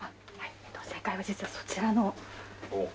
正解は実はそちらの。